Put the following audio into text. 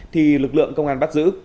thì lực lượng công an bắt giữ